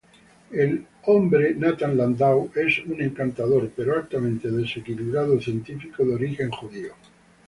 El hombre, Nathan Landau, es un encantador pero altamente desequilibrado científico de origen judío.